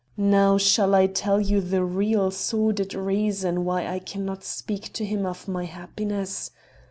Now, shall I tell you the real sordid reason why I cannot speak to him of my happiness?